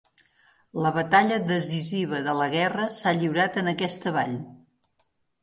La batalla decisiva de la guerra s'ha lliurat en aquesta vall.